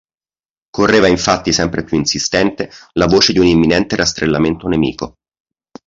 Correva infatti sempre più insistente la voce di un imminente rastrellamento nemico.